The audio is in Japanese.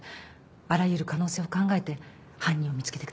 あらゆる可能性を考えて犯人を見つけてください。